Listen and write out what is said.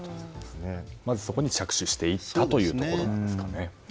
まずそこに着手していったというところですかね。